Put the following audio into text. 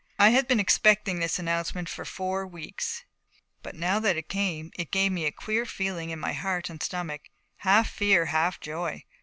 I had been expecting this announcement for four weeks, but now that it came, it gave me a queer feeling in my heart and stomach, half fear, half joy.